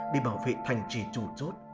đi bảo vệ thành trì trụ rốt